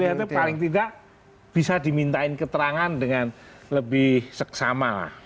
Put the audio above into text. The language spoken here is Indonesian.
ada yang terlihatnya paling tidak bisa diminta keterangan dengan lebih seksama lah